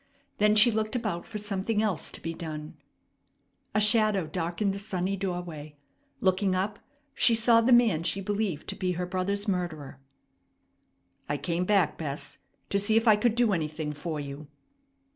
Then she looked about for something else to be done. A shadow darkened the sunny doorway. Looking up, she saw the man she believed to be her brother's murderer. "I came back, Bess, to see if I could do anything for you."